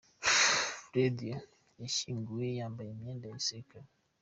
Radio yashyinguwe yambaye imyenda ya Gisirikare.